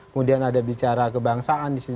kemudian ada bicara kebangsaan disitu